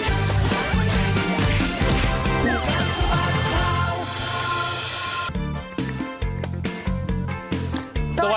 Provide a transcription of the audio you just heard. คู่กัดสะบัดเผ่า